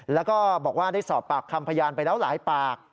แล้วก็บอกว่าได้สอบปากคำพยานไปแล้วหลายปาก